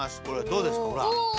どうですかほら。